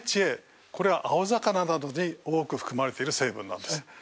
これは青魚などに多く含まれている成分なんです。